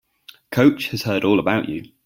Coach has heard all about you.